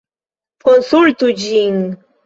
Konsultu ĝin!